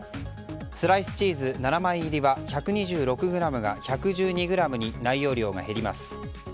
スライスチーズ７枚入りは１２６ｇが１１２ｇに内容量が減ります。